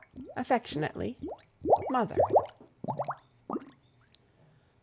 Affectionately, MOTHER."